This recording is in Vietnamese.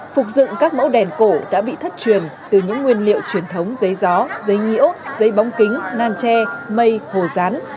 phục dựng các mẫu đèn cổ đã bị thất truyền từ những nguyên liệu truyền thống giấy gió giấy nhiễu giấy bóng kính nan tre mây hồ rán